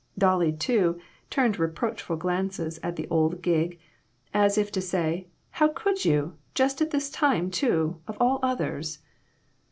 Dolly, too, turned reproachful glances at the old gig, as if to say " How could you ? Just at this time, too, of all others